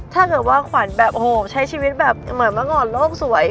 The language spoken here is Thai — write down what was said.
ถ้าเกิดว่าขวัญแบบโอ้โหใช้ชีวิตแบบเหมือนเมื่อก่อนโลกสวย